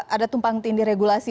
ada tumpang tindir regulasi